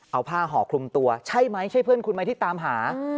เอาผ้าห่อคลุมตัวใช่ไหมใช่เพื่อนคุณไหมที่ตามหา